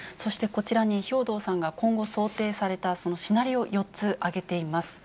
こちらに、兵頭さんが今後想定されたシナリオ４つ挙げています。